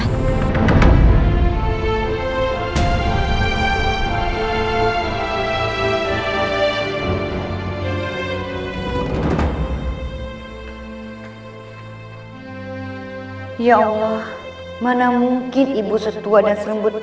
ya allah mana mungkin ibu setua dan selembut baik